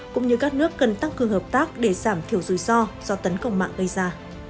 cũng như các nước cần tăng cường hợp tác để giảm thiểu rủi ro do tấn công mạng gây ra